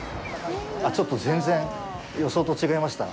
あ、ちょっと全然予想と違いました。